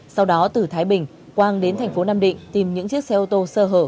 sau đó từ thái bình quang đến tp nam định tìm những chiếc xe ô tô sơ hở